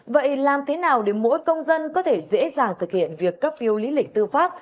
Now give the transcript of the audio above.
vậy làm thế nào để mỗi công dân có thể dễ dàng thực hiện việc cấp phiếu lý lịch tư pháp